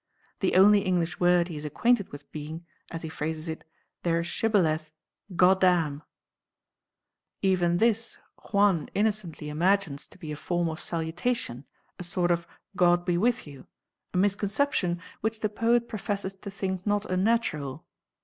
The only English word he is acquainted with being, as he phrases it, "their shibboleth, 'Goddamn.'" Even this Juan innocently imagines to be a form of salutation, a sort of God be with you, a misconception which the poet professes to think not unnatural